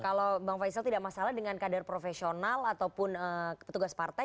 kalau bang faisal tidak masalah dengan kadar profesional ataupun petugas partai